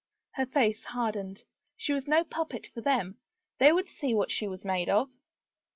Her face hardened. She was no puppet for them. They would see what she was made of